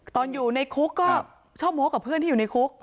ตอนอยู่ในคุกก็ชอบโม้กับเพื่อนที่อยู่ในคุก